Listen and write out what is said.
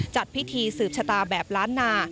จัดพิธีสืบชะตาแบบล้านนา